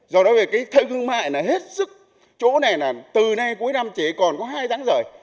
do đó về cái thương mại là hết sức chỗ này là từ nay cuối năm chỉ còn có hai tháng rồi